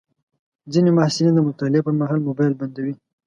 ځینې محصلین د مطالعې پر مهال موبایل بندوي.